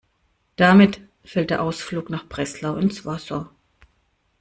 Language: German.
Damit fällt der Ausflug nach Breslau ins Wasser.